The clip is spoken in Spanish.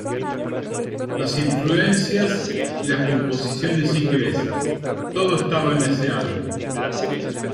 Las influencias y las composiciones inglesas, todo estaba en ese álbum.